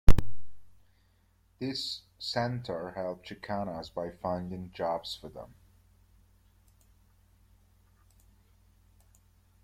This center helped Chicanas by finding jobs for them.